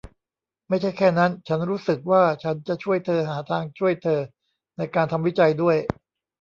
ไม่ใช่แค่นั้น ฉันรู้สึกว่าฉันจะช่วยเธอหาทางช่วยเธอในการทำวิจัยด้วย